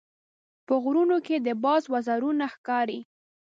په غرونو کې د باز وزرونه ښکاري.